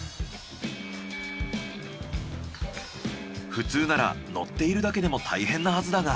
普通なら乗っているだけでも大変なはずだが。